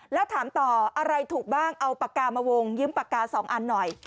แล้วถามต่ออะไรถูกบ้างเอาปากกามาวงยืมปากกา๒อันหน่อย